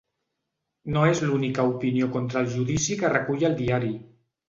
No és l’única opinió contra el judici que recull el diari.